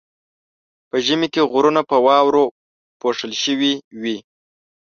په ژمي کې غرونه په واورو پوښل شوي وي.